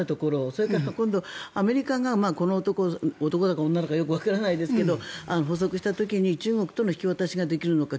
それからアメリカがこの男だか女だかわからないですが捕捉した時に中国との引き渡しができるのか。